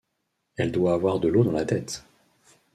Elle doit avoir de l’eau dans la tête.